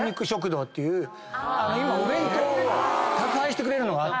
今お弁当を宅配してくれるのがあって。